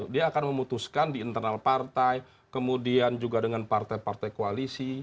dia akan memutuskan di internal partai kemudian juga dengan partai partai koalisi